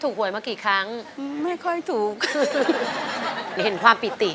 ขอบคุณครับ